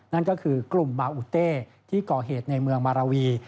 นั่นก็คือกลุ่มบาอุเต้ที่ก่อเหตุในเมืองมาราวี